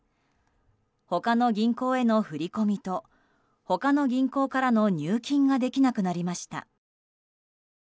他の銀行への振り込みと他の銀行からの入金ができなくなりました。